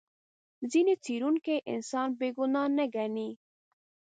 ځینې څېړونکي انسان بې ګناه نه ګڼي.